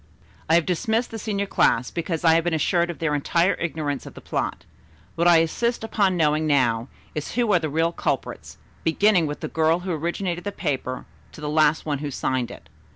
"I have dismissed the senior class, because I have been assured of their entire ignorance of the plot. What I insist upon knowing now, is who are the real culprits, beginning with the girl who originated the paper to the last one who signed it.